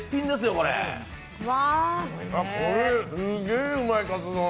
これすげえうまいカツ丼。